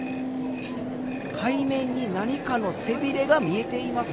海面に何かの背びれが見えています。